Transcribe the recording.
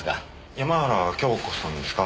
山原京子さんですか？